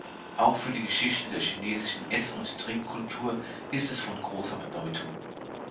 Auch für die Geschichte der chinesischen Ess- und Trinkkultur ist es von großer Bedeutung.